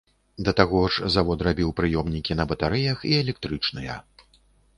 Да таго ж завод рабіў прыёмнікі на батарэях і электрычныя.